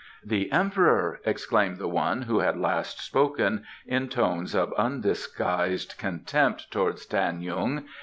"The Emperor!" exclaimed the one who had last spoken, in tones of undisguised contempt towards Tan yung.